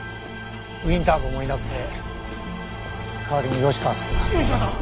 ウィンター号もいなくて代わりに吉川さんが。吉川さん？